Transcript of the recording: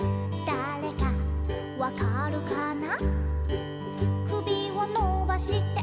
「だれかわかるかな？」